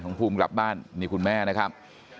ภูมิกลับบ้านนี่คุณแม่นะครับ